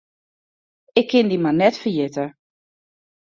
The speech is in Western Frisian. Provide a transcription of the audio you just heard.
Ik kin dy mar net ferjitte.